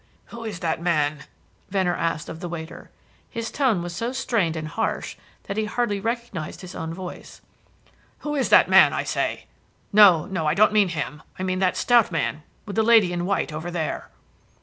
"Who is that man?" Venner asked of the waiter. His tone was so strained and harsh that he hardly recognised his own voice. "Who is the man, I say? No, no; I don't mean him. I mean that stout man, with the lady in white, over there."